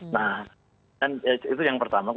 nah itu yang pertama